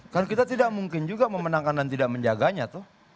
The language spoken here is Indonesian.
kan kita tidak mungkin juga memenangkan dan tidak menjaganya tuh